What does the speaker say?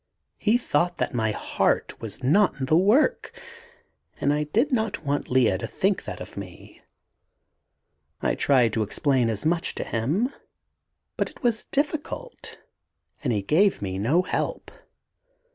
He thought that my heart was not in my work, and I did not want Lea to think that of me. I tried to explain as much to him but it was difficult, and he gave me no help.